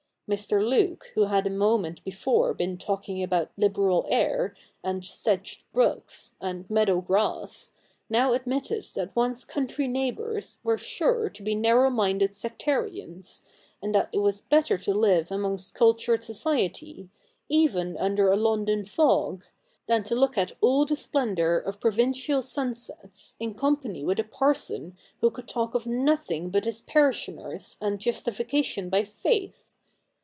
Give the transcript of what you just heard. Mr. Luke, who had a moment before been talking about ' liberal air,' and ' sedged brooks,' and ' meadow grass,' now admitted that one's country neighbours were sure to be narrow minded sectarians, and that it was better to live amongst cultured society, even under a London fog. than to look at all the splendour of provincial sunsets, in company with a parson who could talk of nothing but his parishioners and justi fication by faith.